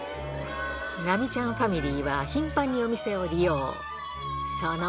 ラミちゃんファミリーは頻繁にお店を利用。